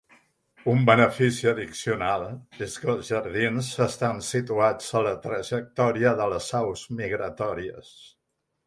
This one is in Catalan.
Un benefici addicional és que els jardins estan situats a la trajectòria de les aus migratòries.